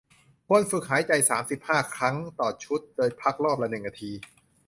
ควรฝึกหายใจ สามสิบห้า ครั้งต่อชุด โดยพักรอบละ หนึ่ง นาที